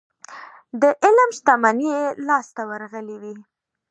د علم شتمني يې لاسته ورغلې وي.